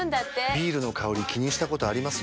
ビールの香り気にしたことあります？